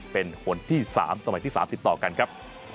เป็นคนที่๓สมัยที่๓ติดต่อกันครับ